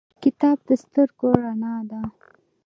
کتاب د سترګو رڼا ده